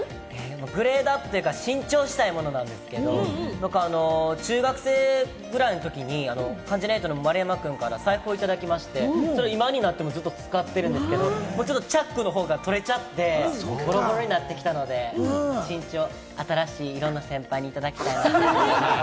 グレードアップというか、新調したいものがあるんですけれども、僕、中学生くらいのときに丸山くんから財布をいただきまして、今になっても使っているんですけれども、チャックのほうが取れちゃって、ボロボロになってきたので、新しいのをいろんな先輩にいただきたいと思います。